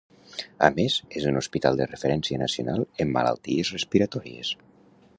A més, és un hospital de referència nacional en malalties respiratòries.